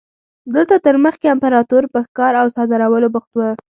دلته تر مخکې امپراتور په ښکار او صادرولو بوخت و.